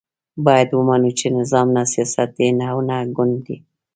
باید ومنو چې نظام نه سیاست دی او نه ګوند دی.